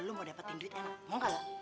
kalau lu mau dapetin duit enak mau gak lu